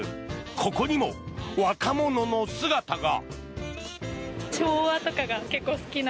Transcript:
ここにも若者の姿が。